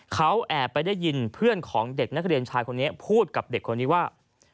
เขาแอบไปได้ยินเพื่อนของเด็กนักเรียนชายคนนี้พูดกับเด็กคนนี้ว่า